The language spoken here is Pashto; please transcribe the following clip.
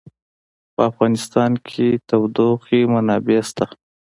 په افغانستان کې د تودوخه منابع شته.